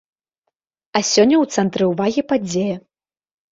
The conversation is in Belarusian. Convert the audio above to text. А сёння ў цэнтры ўвагі падзея.